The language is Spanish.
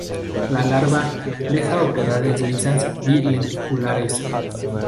La larva deja oquedades lisas y lenticulares.